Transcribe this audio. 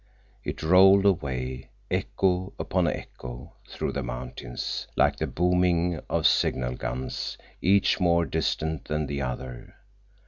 It rolled away, echo upon echo, through the mountains, like the booming of signal guns, each more distant than the other.